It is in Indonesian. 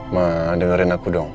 ma dengerin aku dong